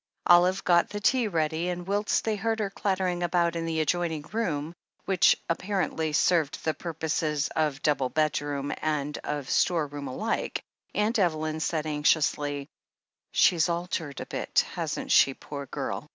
Olive got the tea ready, and whilst they heard her clattering about in the adjoining room> which apparently served the pur 332 THE HEEL OF ACHILLES poses of double bedroom and of store room alike, Aunt Evelyn said anxiously : "She's altered a bit, hasn't she, poor girl?